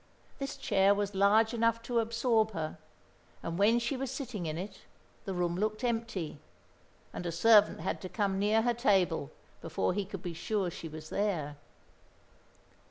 This chair was large enough to absorb her, and when she was sitting in it, the room looked empty, and a servant had to come near her table before he could be sure she was there.